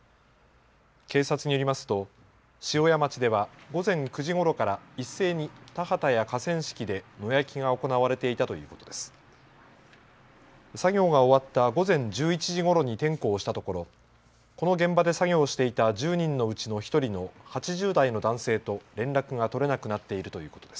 警察によりますと塩谷町では午前９時ごろから一斉に田畑や河川敷で野焼きが行われていたということです。